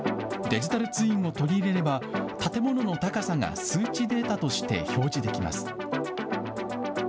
デジタルツインを取り入れれば、建物の高さが数値データとして表示できます。